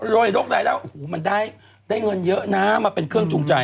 โดยโรครายได้โอ้โหมันได้เงินเยอะนะมาเป็นเครื่องจูงใจ